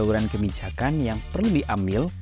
saluran kebijakan yang perlu diambil